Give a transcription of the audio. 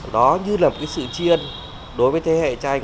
đó như là một sự chiên đối với thế hệ trai